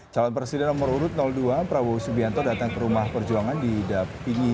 calon presiden nomor urut dua prabowo subianto datang ke rumah perjuangan di dapini